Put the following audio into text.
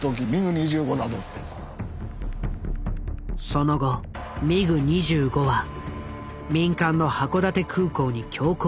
その後ミグ２５は民間の函館空港に強行着陸。